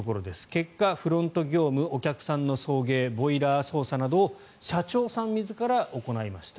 結果フロント業務、お客さんの送迎ボイラー操作などを社長さん自ら行いました。